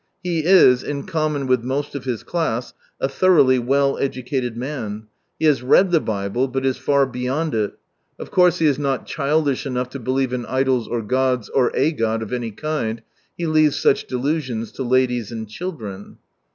He is, in common with most of his class, a thoroughly well educated man. He has read the Bible, but is fiir beyond it ! Of course he is not childish enough to believe in idols or gods, or a God of any kind, he leaves such delusions to ladies and children.